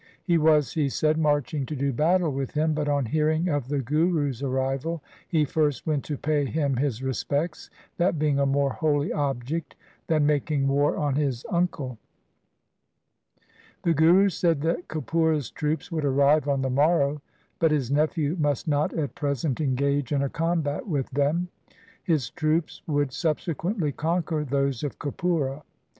He was, he said, marching to do battle with him, but, on hearing of the Guru's arrival, he first went to pay him his respects, that being a more holy object than making war on his uncle. The Guru said that Kapura' s troops would arrive on the morrow, but his nephew must not at present engage in a combat with them. His troops would subsequently conquer those of Kapura.